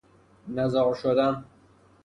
نزار شدن